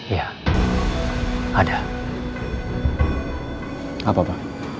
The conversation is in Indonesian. ya ada apa apa